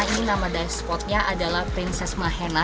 ini nama dive spotnya adalah prinses mahena